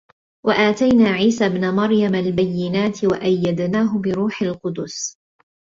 وَآتَيْنَا عِيسَى ابْنَ مَرْيَمَ الْبَيِّنَاتِ وَأَيَّدْنَاهُ بِرُوحِ الْقُدُسِ ۗ